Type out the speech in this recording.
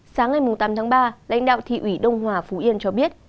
sáng ngày tám tháng ba lãnh đạo thị ủy đông hòa phú yên cho biết